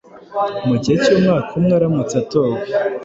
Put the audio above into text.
mu gihe cy’umwaka umwe aramutse atowe